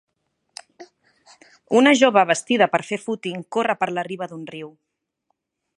Una jove vestida per fer fúting corre per la riba d'un riu.